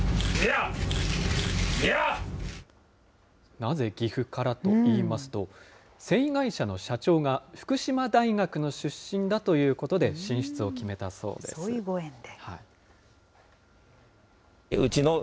なぜ岐阜からといいますと、繊維会社の社長が福島大学の出身だということで、進出を決めたそそういうご縁で。